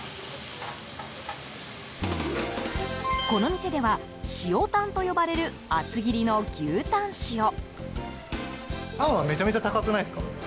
この店では塩タンと呼ばれる厚切りの牛タン塩。